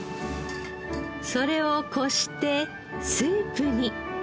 それをこしてスープに。